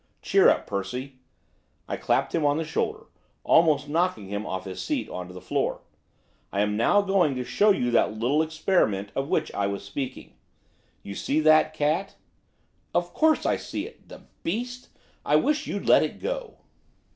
Cheer up, Percy!' I clapped him on the shoulder, almost knocking him off his seat on to the floor. 'I am now going to show you that little experiment of which I was speaking! You see that cat?' 'Of course I see it! the beast! I wish you'd let it go!